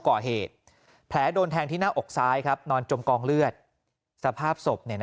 ก่อเหตุแผลโดนแทงที่หน้าอกซ้ายนอนจมกองเลือดสภาพศพ